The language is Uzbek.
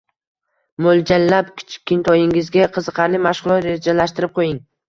mo‘ljallab kichkintoyingizga qiziqarli mashg‘ulot rejalashtirib qo‘ying.